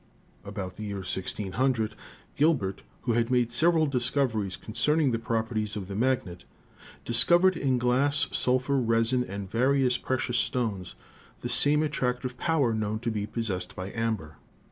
About the year 1600, Gilbert, who had made several discoveries concerning the properties of the magnet, discovered in glass, sulphur, resin and various precious stones the same attractive power known to be possessed by amber.